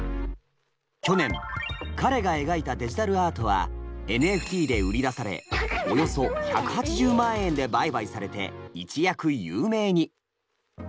去年彼が描いたデジタルアートはＮＦＴで売り出されおよそ１８０万円で売買されて一躍有名に。